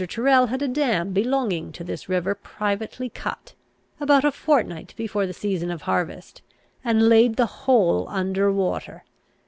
Tyrrel had a dam belonging to this river privately cut, about a fortnight before the season of harvest, and laid the whole under water.